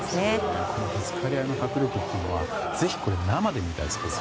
ぶつかり合いの迫力はぜひ生で見たいですね。